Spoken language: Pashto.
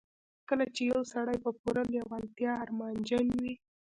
کله چې يو سړی په پوره لېوالتیا ارمانجن وي.